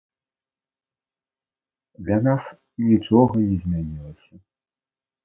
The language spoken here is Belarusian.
Для нас нічога не змянілася.